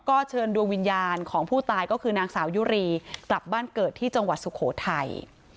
ก็เชิญดวงวิญญาณของผู้ตายก็คือนางสาวยุรีกลับบ้านเกิดที่จังหวัดสุโขทัย